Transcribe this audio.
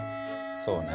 そうね。